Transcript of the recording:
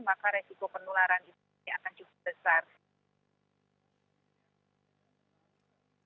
maka risiko penularan ini akan cukup besar